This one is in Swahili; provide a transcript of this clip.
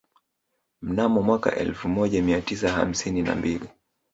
Mnamo mwaka elfu moja mia tisa hamsini na mbili